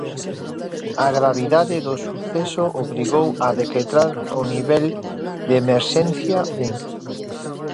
A gravidade do suceso obrigou a decretar o nivel de emerxencia un.